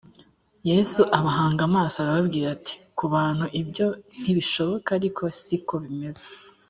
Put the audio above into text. yesu abahanga amaso arababwira ati ku bantu ibyo ntibishoboka ariko si ko bimeze